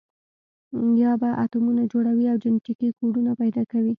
یا به اتمونه جوړوي او جنټیکي کوډونه پیدا کوي.